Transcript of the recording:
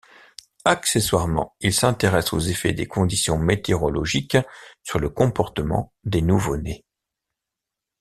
Accessoirement, il s'intéresse aux effets des conditions météorologiques sur le comportement des nouveau-nés.